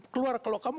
keluar dari kalau kamu